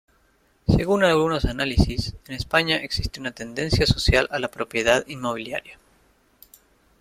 Según algunos análisis, en España existe una tendencia social a la propiedad inmobiliaria.